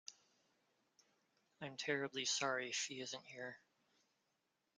I'm terribly sorry she isn't here.